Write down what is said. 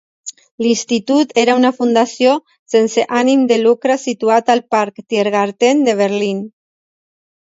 L'Institut era una fundació sense ànim de lucre situat al parc Tiergarten de Berlín.